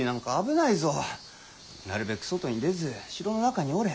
なるべく外に出ず城の中におれ。